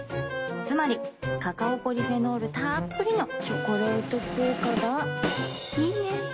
つまりカカオポリフェノールたっぷりの「チョコレート効果」がいいね。